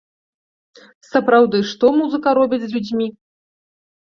Сапраўды, што музыка робіць з людзьмі!